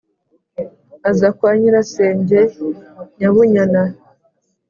aza kwa nyirasenge Nyabunyana.